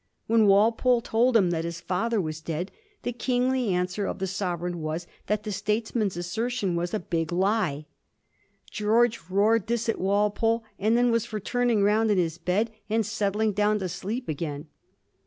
When Walpole told him that his father was dead the kingly answer of the sovereign was that the statesman's assertion was a big lie. George roared this at Walpole, and then was for turning round in his bed and settling down to sleep again.